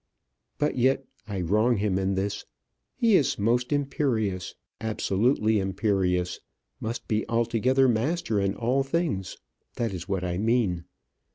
But yet I wrong him in this. He is most imperious, absolutely imperious must be altogether master in all things; that is what I mean.